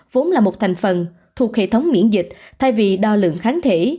vốn là một thành phần thuộc hệ thống miễn dịch thay vì đo lượng kháng thể